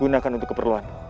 gunakan untuk keperluan